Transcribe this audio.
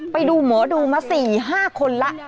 ไปดูหมอดูมา๔๕คนแล้ว